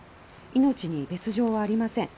命に別条はありません。